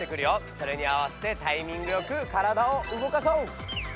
それに合わせてタイミングよくからだを動かそう！